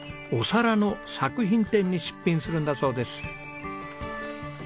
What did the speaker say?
お皿の作品展に出品するんだそうです。